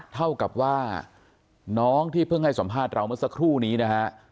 เท่ากับว่าน้องที่เพิ่งให้สัมภาษณ์เราเมื่อสักครู่นี้นะฮะ